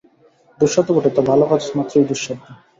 দুঃসাধ্য বটে, তা ভালো কাজ মাত্রই দুঃসাধ্য।